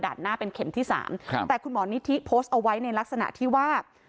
ด่านหน้าเป็นเข็มที่๓แต่คุณหมอนิธิมโพสต์เอาไว้ในลักษณะที่ว่า